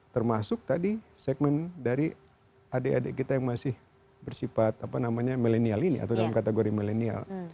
termasuk tadi segmen dari adik adik kita yang masih bersifat apa namanya millennial ini atau dalam kategori millennial